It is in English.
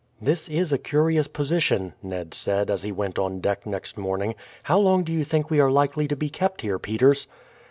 "This is a curious position," Ned said, as he went on deck next morning. "How long do you think we are likely to be kept here, Peters?"